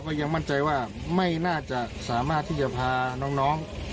ยังมั่นใจว่าไม่น่าจะสามารถที่จะพาน้อง